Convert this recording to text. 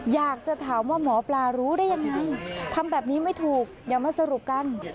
อยากจะถามว่าหมอปลารู้ได้ยังไงทำแบบนี้ไม่ถูกอย่ามาสรุปกัน